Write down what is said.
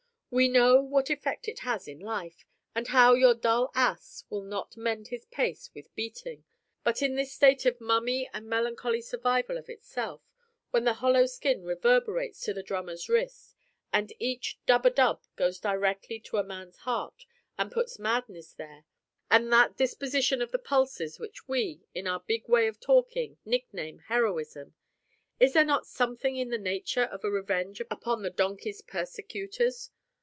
We know what effect it has in life, and how your dull ass will not mend his pace with beating. But in this state of mummy and melancholy survival of itself, when the hollow skin reverberates to the drummer's wrist, and each dub a dub goes direct to a man's heart, and puts madness there, and that disposition of the pulses which we, in our big way of talking, nickname Heroism:—is there not something in the nature of a revenge upon the donkey's persecutors?